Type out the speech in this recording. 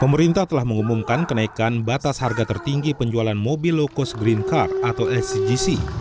pemerintah telah mengumumkan kenaikan batas harga tertinggi penjualan mobil low cost green car atau hcgc